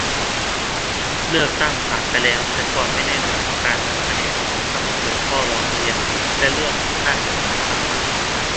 เลือกตั้งผ่านไปแล้ว แต่ความไม่แน่นอนของการนับคะแนนทำให้เกิดข้อร้องเรียน และเรื่องน่ากังขามากมาย